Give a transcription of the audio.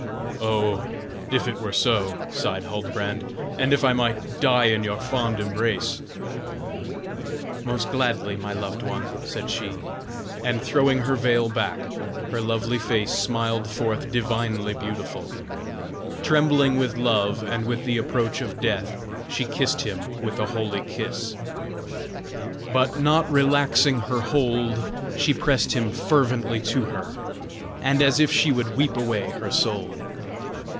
"Oh, if it were so!" sighed Huldbrand, "and if I might die in your fond embrace!" "Most gladly, my loved one," said she; and throwing her veil back, her lovely face smiled forth divinely beautiful. Trembling with love and with the approach of death, she kissed him with a holy kiss; but not relaxing her hold she pressed him fervently to her, and as if she would weep away her soul.